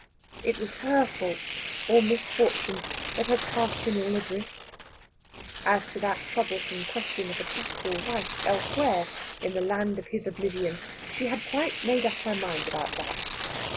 It was her fault or misfortune that had cast him all adrift. As to that troublesome question of a possible wife elsewhere, in the land of his oblivion, she had quite made up her mind about that.